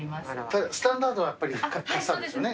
ただスタンダードはやっぱりカスタードですよね。